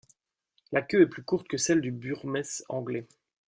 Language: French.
La queue est plus courte que celle du burmese anglais.